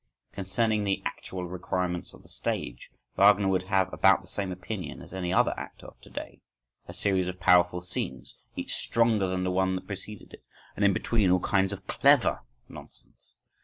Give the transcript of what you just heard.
Concerning the "actual requirements of the stage" Wagner would have about the same opinion as any other actor of to day, a series of powerful scenes, each stronger than the one that preceded it,—and, in between, all kinds of clever nonsense.